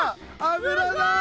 油だ！